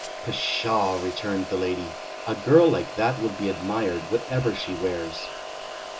"Pshaw!" returned the lady; "a girl like that will be admired, whatever she wears."